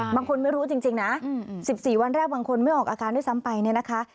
บางคนไม่รู้จริงนะ๑๔วันแรกบางคนไม่ออกอาการด้วยซ้ำไปเนี่ยนะคะ